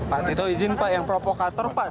pak tito izin pak yang provokator pak